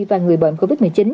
và người bệnh covid một mươi chín